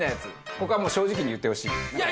ここはもう正直に言ってほしい。